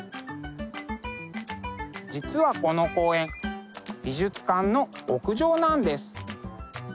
実はこの公園美術館の屋上なんです。